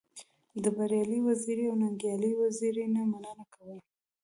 د بريالي وزيري او ننګيالي وزيري نه مننه کوم.